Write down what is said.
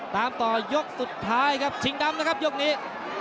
ตามต่อยกสุดท้ายครับชิงดำนะครับยกนี้